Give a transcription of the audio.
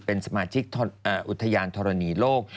เป็นสมาชิกอุทยานธรณีโลก